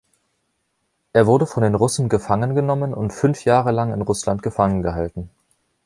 Er wurde von den Russen gefangen genommen und fünf Jahre lang in Russland gefangen gehalten.